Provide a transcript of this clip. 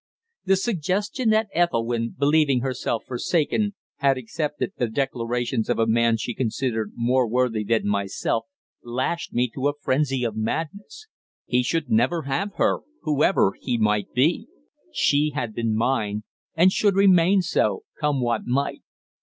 The suggestion that Ethelwynn, believing herself forsaken, had accepted the declarations of a man she considered more worthy than myself, lashed me to a frenzy of madness. He should never have her, whoever he might be. She had been mine, and should remain so, come what might.